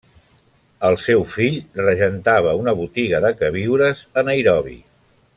El seu fill regentava una botiga de queviures a Nairobi.